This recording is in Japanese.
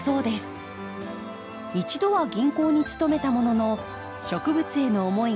一度は銀行に勤めたものの植物への思いが捨てきれず庭師に。